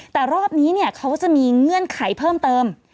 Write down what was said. แต่รอบนี้เขาจะมีเงื่อนไขเพิ่มเติม